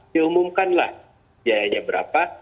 diumumkanlah biayanya berapa